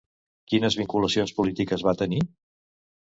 Quines vinculacions polítiques va tenir?